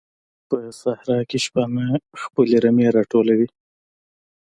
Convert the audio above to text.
په صحراء کې شپانه خپل رمې راټولوي.